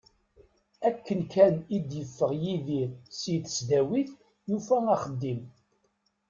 Akken kan i d-yeffeɣ Yidir si tesdawit, yufa axeddim.